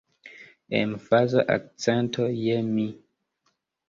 Emfaza akcento je mi.